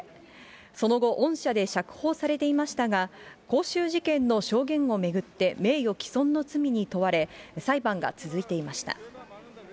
その後、恩赦で釈放されていましたが、光州事件の証言を巡って、名誉棄損の罪に問われ、裁判が続いていました。